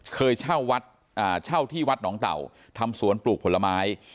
เคยเช่าที่วัดหนองเต่าทำสวนปลูกผลไม้